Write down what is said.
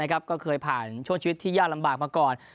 ก็เคยผ่านช่วงชีวิตที่ยากลำบากมาก่อน